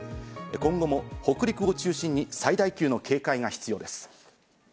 今後も北陸を中心に最大級の警戒が必要です。